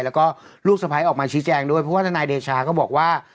แล้วก็ลูกสะพ้ายออกมาชี้แจงด้วยเพราะว่าทนายเดชาก็บอกว่า